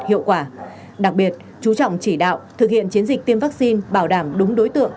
hiệu quả đặc biệt chú trọng chỉ đạo thực hiện chiến dịch tiêm vaccine bảo đảm đúng đối tượng